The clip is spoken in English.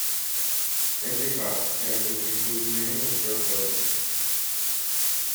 Endicott's campus includes many historic buildings.